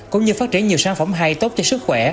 cũng như phát triển nhiều sản phẩm hay tốt cho sức khỏe